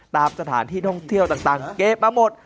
ตามสถานที่ท่องเที่ยวต่างเก็บมาหมด